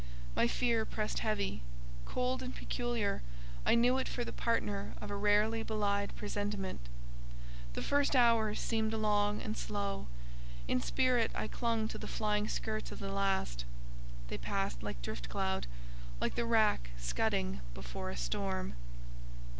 My fear pressed heavy. Cold and peculiar, I knew it for the partner of a rarely belied presentiment. The first hours seemed long and slow; in spirit I clung to the flying skirts of the last. They passed like drift cloud—like the wrack scudding before a storm.